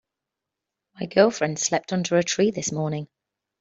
My girlfriend slept under a tree this morning.